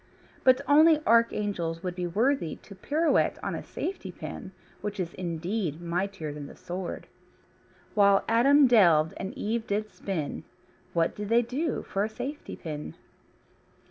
But only archangels would be worthy to pirouette on a safety pin, which is indeed mightier than the sword. When Adam delved and Eve did spin, what did they do for a safety pin?